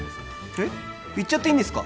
えッ言っちゃっていいんですか？